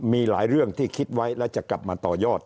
มีหลายเรื่องที่คิดไว้แล้วจะกลับมาต่อยอด